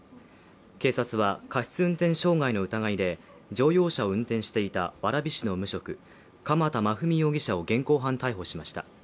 警察は過失運転傷害の疑いで乗用車を運転していた蕨市の無職、鎌田麻郁容疑者を現行犯逮捕しました。